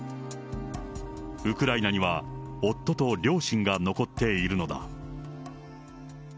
ウクライナには夫と両親が残っているのだ。